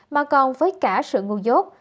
mà còn với cả sự ngu dốt